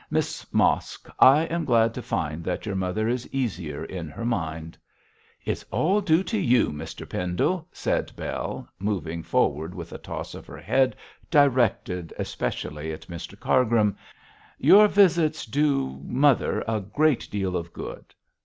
'Miss Mosk, I am glad to find that your mother is easier in her mind.' 'It's all due to you, Mr Pendle,' said Bell, moving forward with a toss of her head directed especially at Mr Cargrim. 'Your visits do mother a great deal of good.'